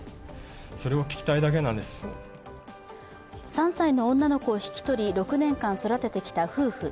３歳の女の子を引き取り、６年間育ててきた夫婦。